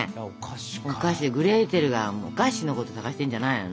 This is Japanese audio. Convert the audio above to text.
グレーテルはお菓子のこと探してんじゃないの？